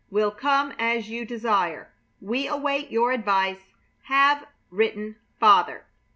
Will come as you desire. We await your advice. Have written. FATHER.